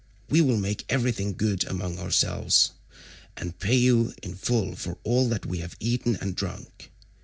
We will make everything good among ourselves, and pay you in full for all that we have eaten and drunk.